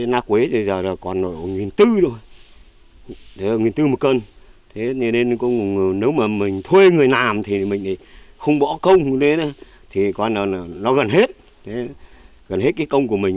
lá quế thì giờ còn một bốn trăm linh đô một bốn trăm linh cân nếu mà mình thuê người làm thì mình không bỏ công nó gần hết công của mình